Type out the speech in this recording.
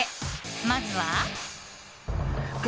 まずは。